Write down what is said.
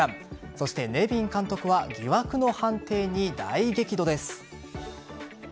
そしてネビン監督は疑惑の判定に大激怒です。